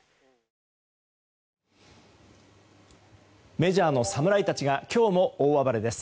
メジャーの侍たちが今日も大暴れです。